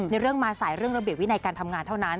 เรื่องมาสายเรื่องระเบียบวินัยการทำงานเท่านั้น